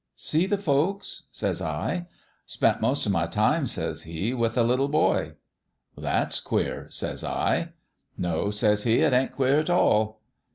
"'See the folks?' says I. "' Spent most o' my time,' says he, ' with a lit tle boy/ "' That's queer,' says I. "' No,' says he ; 'it ain't queer at all.'